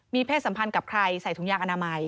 มีเพศสัมพันธ์กับใครใส่ถุงยางอนามัย